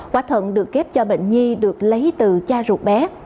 quả thận được ghép cho bệnh nhi được lấy từ cha ruột bé